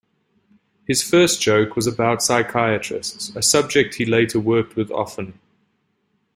His first Joke was about psychiatrists, a subject he later worked with often.